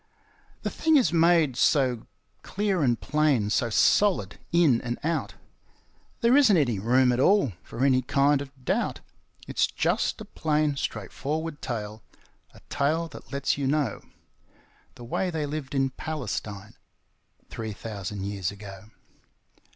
The thing is made so clear and plain, so solid in and out, There isn't any room at all for any kind of doubt. It's just a plain straightforward tale a tale that lets you know The way they lived in Palestine three thousand years ago.